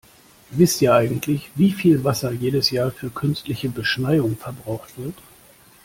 Wisst ihr eigentlich, wie viel Wasser jedes Jahr für künstliche Beschneiung verbraucht wird?